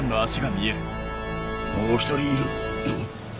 もう１人いる！